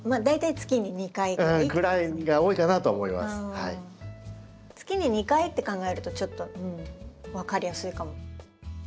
月に２回って考えるとちょっとうん分かりやすいかも。